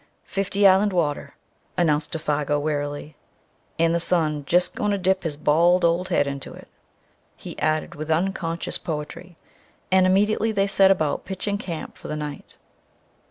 "Fifty Island Water," announced Défago wearily, "and the sun jest goin' to dip his bald old head into it!" he added, with unconscious poetry; and immediately they set about pitching camp for the night.